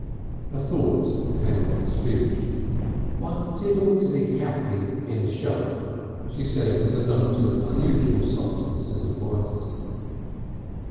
Her thoughts found speech. "One did ought to be happy in a shop," she said with a note of unusual softness in her voice.